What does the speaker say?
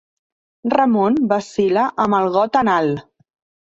Ramon vacil·la amb el got en alt.